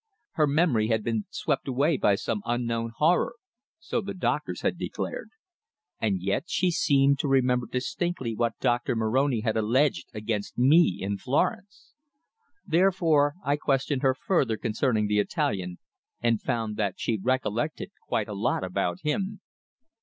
Her memory had been swept away by some unknown horror so the doctors had declared. And yet she seemed to remember distinctly what Doctor Moroni had alleged against me in Florence! Therefore I questioned her further concerning the Italian, and found that she recollected quite a lot about him.